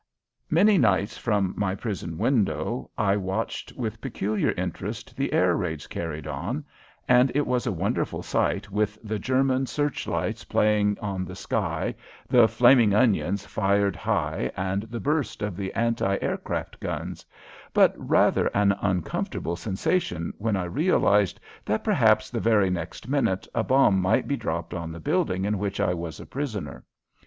Many nights from my prison window I watched with peculiar interest the air raids carried on, and it was a wonderful sight with the German searchlights playing on the sky, the "flaming onions" fired high and the burst of the anti aircraft guns, but rather an uncomfortable sensation when I realized that perhaps the very next minute a bomb might be dropped on the building in which I was a prisoner.